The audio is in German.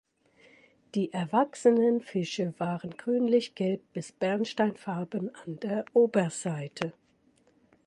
Die erwachsenen Fische waren grünlich-gelb bis bernsteinfarben an der Oberseite.